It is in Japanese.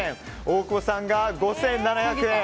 大久保さんが５７００円。